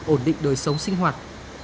ổn định đời sống sinh hoạt